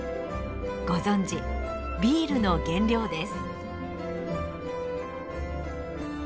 ご存じビールの原料です。